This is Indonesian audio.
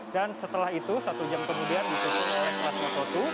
dan setelah itu satu jam kemudian disusul oleh kelas moto dua